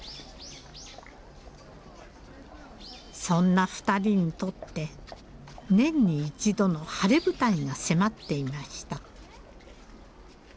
そんな２人にとって年に１度の晴れ舞台が迫っていました。